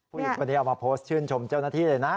พูดอีกปันทีเอามาโพสต์ชื่นชมเจ้าหน้าที่เลยนะ